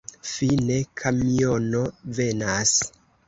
Fine, kamiono venas.